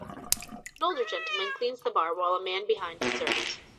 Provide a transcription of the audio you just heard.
An older gentlemen cleans the bar while a man behind observes.